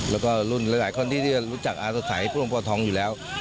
แล้วก็รุ่นหลายคนที่รู้จักอาสัยพระองค์พ่อทองอยู่แล้ว